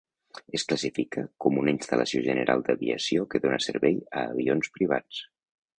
Es classifica com una instal·lació general d'aviació que dona servei a avions privats.